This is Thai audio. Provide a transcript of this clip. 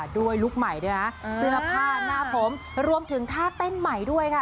ด้วยลุคใหม่ด้วยนะเสื้อผ้าหน้าผมรวมถึงท่าเต้นใหม่ด้วยค่ะ